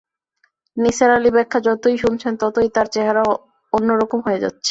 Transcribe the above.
নিসার আলির ব্যাখ্যা যতই শুনছেন ততই তাঁর চেহারা অন্য রকম হয়ে যাচ্ছে।